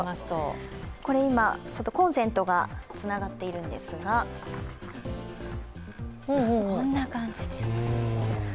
今、コンセントがつながっているんですが、こんな感じです。